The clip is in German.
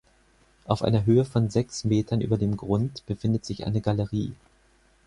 Auf einer Höhe von sechs Metern über dem Grund befindet sich eine Galerie.